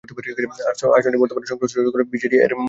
আসনটির বর্তমান সংসদ সদস্য হলেন বিজেডি-এর মঞ্জু লতা মণ্ডল।